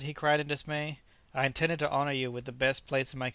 he cried in dismay, "I intended to honour you with the best place in my collection."